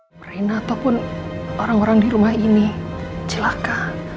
ukraina ataupun orang orang di rumah ini celaka